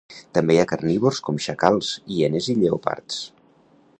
També hi ha carnívors com xacals, hienes i lleopards.